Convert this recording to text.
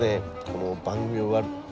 この番組を終わる。